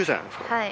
はい。